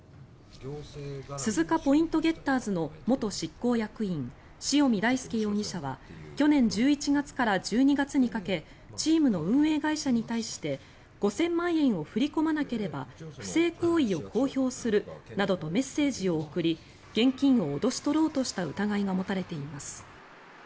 鈴鹿ポイントゲッターズの元執行役員、塩見大輔容疑者は去年１１月から１２月にかけチームの運営会社に対して５０００万円を振り込まなければ不正行為を公表するなどとメッセージを送り現金を脅し取ろうとした疑いが持たれています。